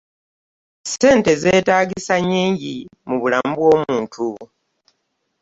Ssente zeetaagisa nnyingi mu bulamu bw'omuntu.